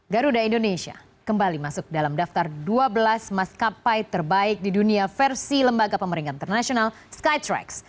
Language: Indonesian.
garuda indonesia kembali masuk dalam daftar dua belas maskapai terbaik di dunia versi lembaga pemeringan internasional skytrax